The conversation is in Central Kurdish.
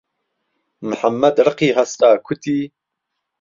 محەممەد رقی هەستاکوتی